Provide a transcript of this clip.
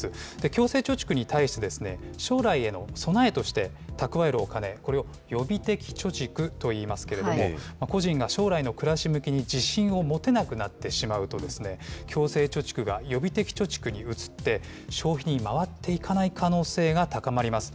強制貯蓄に対して、将来への備えとして蓄えるお金、これを予備的貯蓄といいますけれども、個人が将来の暮らし向きに自信を持てなくなってしまうと、強制貯蓄が予備的貯蓄に移って、消費に回っていかない可能性が高まります。